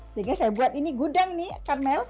sehingga saya buat ini gudang nih karmel